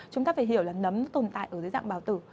chúng ta phải hiểu là nấm tồn tại ở dưới dạng bào tử